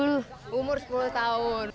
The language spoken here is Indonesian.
umur sepuluh tahun